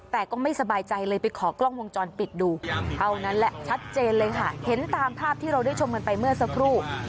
แต่ก็ไม่สบายใจเลยไปขอกล้องวงจรปิดดูเท่านั้นแหละชัดเจนเลยค่ะเห็นตามภาพที่เราได้ชมกันไปเมื่อสักครู่